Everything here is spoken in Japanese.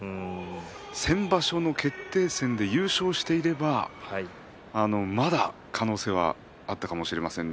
先場所の決定戦で優勝していればまだ可能性はあったかもしれませんね。